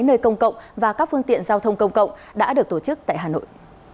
nơi công cộng và các phương tiện giao thông công cộng đã được tổ chức tại hà nội